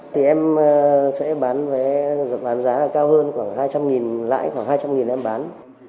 thì em sẽ bán vé giá cao hơn khoảng hai trăm linh lãi khoảng hai trăm linh em bán